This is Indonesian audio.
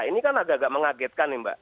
ini kan agak agak mengagetkan nih mbak